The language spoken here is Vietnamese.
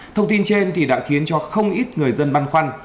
thông tin trên đã khiến cho không ít người dân băn khoăn